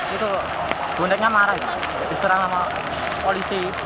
itu boneknya marah ya diserang sama polisi